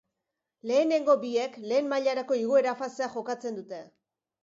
Lehenengo biek Lehen mailarako igoera fasea jokatzen dute.